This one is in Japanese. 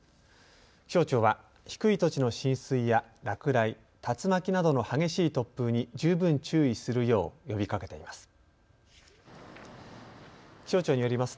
気象庁は低い土地の浸水や落雷、竜巻などの激しい突風に十分注意するよう呼びかけています。